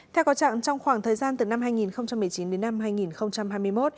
theo có trạng trong khoảng thời gian từ năm hai nghìn một mươi chín đến năm hai nghìn hai mươi một